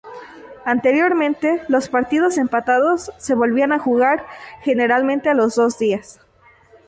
Anteriormente, los partidos empatados se volvían a jugar generalmente a los dos días.